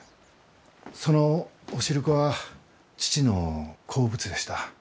そのお汁粉は父の好物でした。